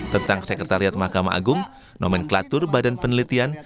tentang sekretariat mahkamah agung nomenklatur badan penelitian